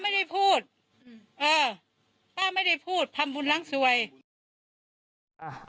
ป้าไม่ได้พูดเออป้าไม่ได้พูดทำบุญล้างสวย